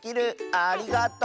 ありがとう。